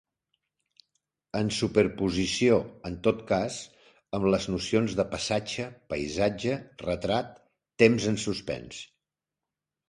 En superposició, en tot cas, amb les nocions de passatge, paisatge, retrat, temps en suspens.